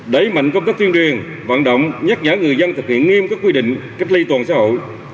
đẩy mạnh công tác tuyên truyền vận động nhắc nhở người dân thực hiện nghiêm các quy định cách ly toàn xã hội